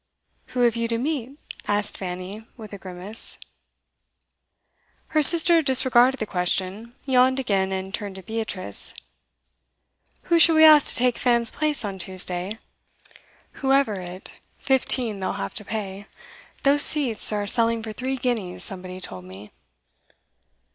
'Who have you to meet?' asked Fanny, with a grimace. Her sister disregarded the question, yawned again, and turned to Beatrice. 'Who shall we ask to take Fan's place on Tuesday? Whoever it 15, they'll have to pay. Those seats are selling for three guineas, somebody told me.